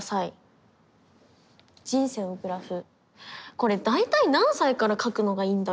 これ大体何歳から書くのがいいんだろう？